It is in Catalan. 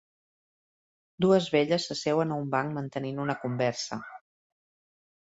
Dues velles s'asseuen a un banc mantenint una conversa.